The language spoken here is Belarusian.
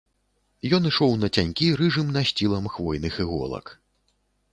Ён ішоў нацянькі рыжым насцілам хвойных іголак.